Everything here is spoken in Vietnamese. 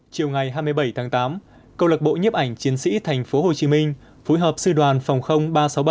chiều ngày hai mươi bảy tháng tám câu lạc bộ nhiếp ảnh chiến sĩ tp hcm phối hợp sư đoàn phòng ba trăm sáu mươi bảy